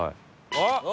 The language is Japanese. あっ！